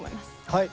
はい。